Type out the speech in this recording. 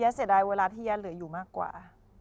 เสียดายเวลาที่ญาติเหลืออยู่มากกว่า